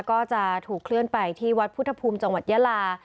ก็จะถูกเคลื่อนไปที่วัดพุทธภูมิจังหวัดยาลา